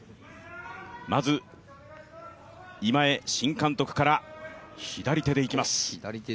まず今江新監督から、左手でいきます。